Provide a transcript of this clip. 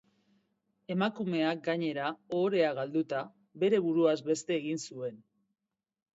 Emakumeak, gainera, ohore galduta, bere buruaz beste egin zuen.